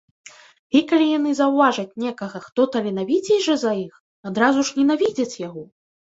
І калі яны заўважаць некага, хто таленавіцейшы за іх, адразу ж ненавідзяць яго!